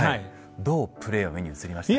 どうプレーは目に映りました？